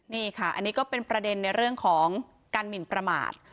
นี่ค่ะอันนี้ก็เป็นประเด็นในเรื่องของการหมินประมาท